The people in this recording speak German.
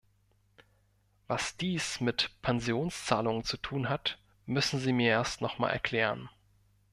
Was dies mit Pensionszahlungen zu tun hat, müssen Sie mir erst nochmal erklären.